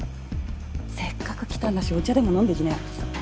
せっかく来たんだしお茶でも飲んでいきなよ。